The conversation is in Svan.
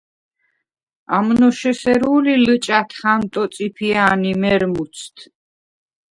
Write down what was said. ამნოშ ესერუ ლი ლჷჭა̈თ ჰანტო წიფია̄ნ ი მერმუცდ!